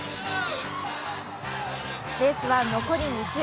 レースは残り２周。